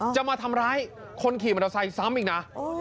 จะมาทำร้ายคนขี่มอเตอร์ไซค์ซ้ำอีกนะ